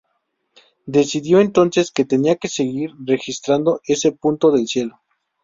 Decidió entonces que tenía que seguir registrando ese punto del cielo.